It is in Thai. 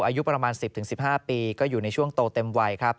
อายุประมาณ๑๐๑๕ปีก็อยู่ในช่วงโตเต็มวัยครับ